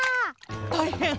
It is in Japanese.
たいへん！